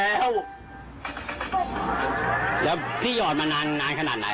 จะสู้เก่าแต่ยอดเงินใหม่เข้าไป